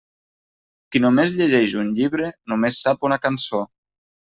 Qui només llegeix un llibre, només sap una cançó.